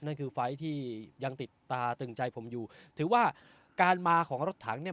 นั่นคือไฟล์ที่ยังติดตาตึงใจผมอยู่ถือว่าการมาของรถถังเนี่ย